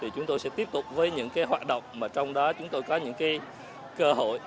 chúng tôi sẽ tiếp tục với những hoạt động trong đó chúng tôi có những cơ hội